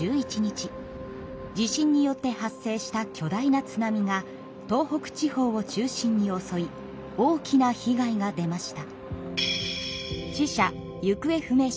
地震によって発生した巨大な津波が東北地方を中心におそい大きな被害が出ました。